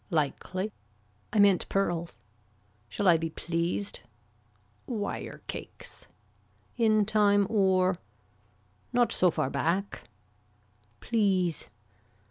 Likely. I meant pearls. Shall I be pleased. Wire cakes. In time or. Not so far back. Please.